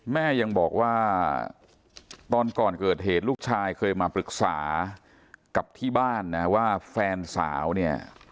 แม่ยังบอกว่าตอนก่อนเกิดเหตุลูกชายเคยมาปรึกษากับที่บ้านนะว่าแฟนสาวเนี่ย